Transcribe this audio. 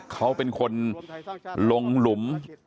เขาเป็นคนลงหลุม